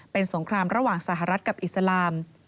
เป็นสงครามระหว่างสหรัฐกับอิสลาม